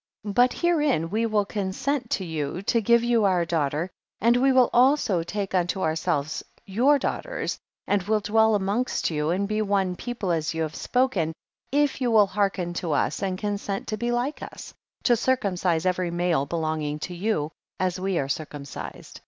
44. But herein will we consent to you, to give you our daughter, and we will also take unto ourselves your daughters, and will dwell amongst you and be one people as you have spoken, if you will hearken to us, and consent to be like us, to circumcise every male belonging to you, as we are circumcised.